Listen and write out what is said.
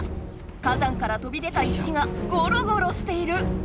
火山からとびでた石がゴロゴロしている。